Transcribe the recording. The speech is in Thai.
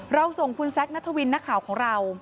เราส่งคุณแซ็คณธวินนักข่าวของเรา